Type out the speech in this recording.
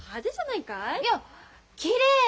いやきれい！